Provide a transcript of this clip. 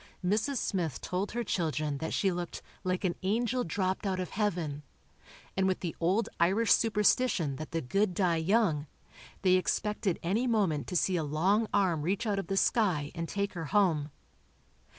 Mrs. Smith told her children that she looked "like an angel dropped out of Heaven," and with the old Irish superstition that the good die young, they expected any moment to see a long arm reach out of the sky and take her home.